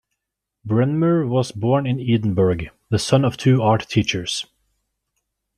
Bremner was born in Edinburgh, the son of two art teachers.